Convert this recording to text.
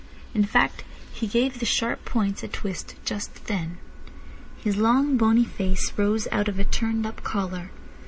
In fact, he gave the sharp points a twist just then. His long, bony face rose out of a turned up collar.